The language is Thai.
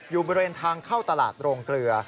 อยู่บริเวณทางเข้าตลาดโรงเกลือ